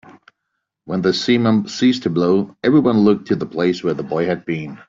When the simum ceased to blow, everyone looked to the place where the boy had been.